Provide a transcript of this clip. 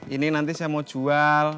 ini nanti saya mau jual